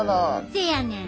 せやねん。